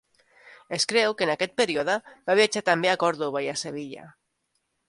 Es creu que en aquest període va viatjar també a Còrdova i a Sevilla.